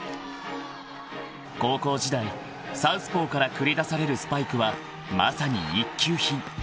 ［高校時代サウスポーから繰り出されるスパイクはまさに一級品］